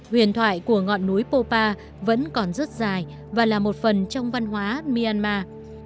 huyền thoại của ngọn núi popa vẫn còn rất dài và là một phần trong văn hóa myanmar